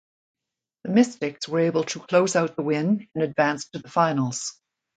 The Mystics were able to close out the win and advance to the finals.